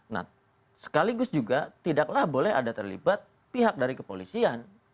nah sekaligus juga tidaklah boleh ada terlibat pihak dari kepolisian